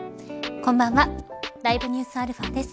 こんばんはＬｉｖｅＮｅｗｓαです。